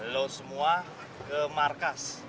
lo semua ke markas